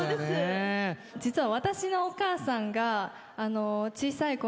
実は。